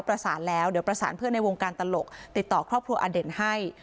ประสานแล้วเดี๋ยวประสานเพื่อนในวงการตลกติดต่อครอบครัวอเด่นให้